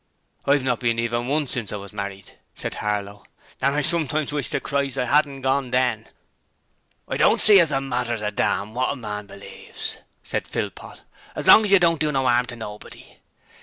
'I've not been even once since I was married,' said Harlow, 'and I sometimes wish to Christ I 'adn't gorn then.' 'I don't see as it matters a dam wot a man believes,' said Philpot, 'as long as you don't do no 'arm to nobody.